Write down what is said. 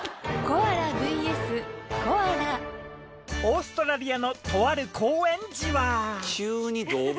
オーストラリアのとある公園じわ。